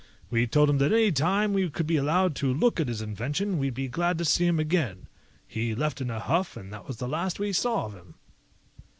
We told him that any time we could be allowed to look at his invention, we'd be glad to see him again. He left in a huff, and that was the last we saw of him."